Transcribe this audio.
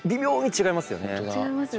違いますね。